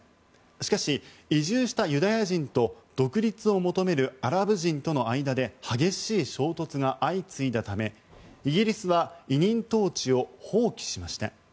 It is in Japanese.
しかし、移住したユダヤ人と独立を求めるアラブ人の間で激しい衝突が相次いだためイギリスは委任統治を放棄しました。